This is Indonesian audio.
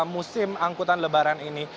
musim angkutan lebaran ini